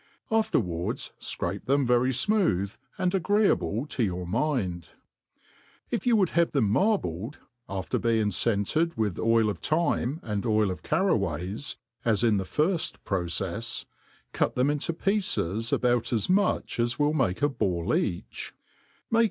Afterwards fcrape them very fmooth, and agreeable to your mind^ If you would have them marbled, after being fcented with oil of thyme and oil of carraways (as in the iirft procefs), cut them into pieces about as much as will make a ball each, make